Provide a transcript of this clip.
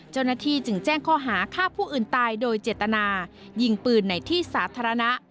เจ้าหน้าที่จึงแจ้งข้อหาฆ่าผู้อื่นตายโดยเจตนายิงปืนในที่สาธารณะ